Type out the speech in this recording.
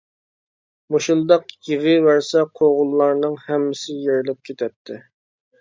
مۇشۇنداق يېغىۋەرسە قوغۇنلارنىڭ ھەممىسى يېرىلىپ كېتەتتى.